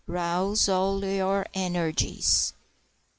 Rouse all your energies!